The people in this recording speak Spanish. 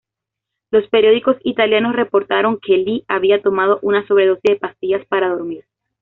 Los periódicos italianos reportaron que Lee había tomado una sobredosis de pastillas para dormir.